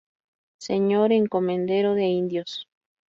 Señor Encomendero de Indios.